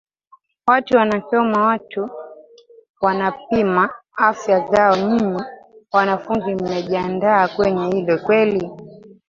watu wanasoma watu wanapima afya zao nyinyi wanafunzi mmejiandaa kwenye hilo kweli